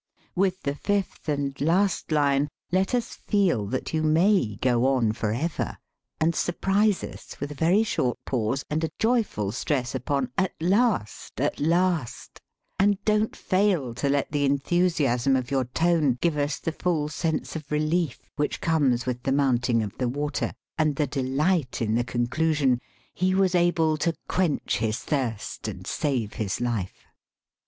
With the fifth and last line let us feel that you may "go on forever," and surprise us with a very short pause and a joyful stress upon "at last, at last," and don't fail to let the en thusiasm of your tone give us the full sense of relief which comes with the mounting of the water; and the delight in the conclusion "he was able to quench his thirst and save his life."